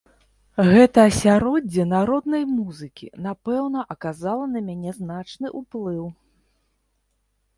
Гэта асяроддзе народнай музыкі, напэўна, аказала на мяне значны ўплыў.